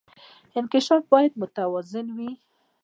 انکشاف باید متوازن وي